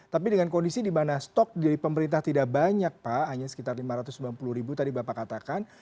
tapi dengan kondisi di mana stok dari pemerintah tidak banyak pak hanya sekitar lima ratus sembilan puluh ribu tadi bapak katakan